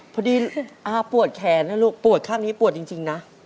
พอดีอาปวดแขนนะลูกปวดข้างนี้ปวดจริงนะ